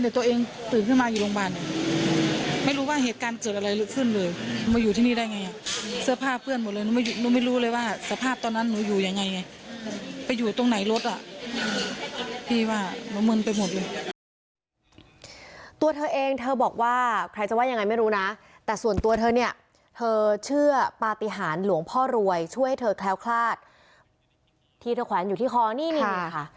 ตัวเธอเองเธอบอกว่าใครจะว่ายังไงไม่รู้นะแต่ส่วนตัวเธอเนี่ยเธอเชื่อปฏิหารหลวงพ่อรวยช่วยให้เธอแคล้วคลาดที่เธอแขวนอยู่ที่คอนี่นี่ค่ะ